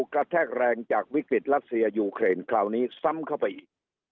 กระแทกแรงจากวิกฤตรัสเซียยูเครนคราวนี้ซ้ำเข้าไปอีก